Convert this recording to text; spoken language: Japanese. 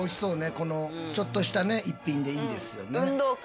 このちょっとした一品でいいですよね。